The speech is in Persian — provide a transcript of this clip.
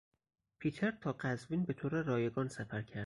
پیتر تا قزوین به طور رایگان سفر کرد.